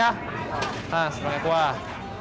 nah sebanyak buah